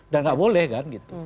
dan enggak boleh kan gitu